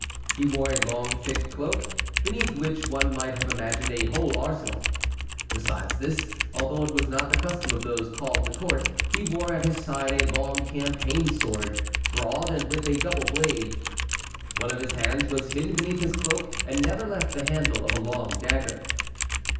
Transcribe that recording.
He wore a long thick cloak, beneath which one might have imagined a whole arsenal. Besides this, although it was not the custom of those called to court, he wore at his side a long campaign sword, broad, and with a double blade. One of his hands was hidden beneath his cloak, and never left the handle of a long dagger.